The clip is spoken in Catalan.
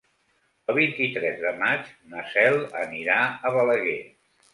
El vint-i-tres de maig na Cel anirà a Balaguer.